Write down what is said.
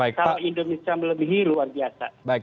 kalau indonesia melebihi luar biasa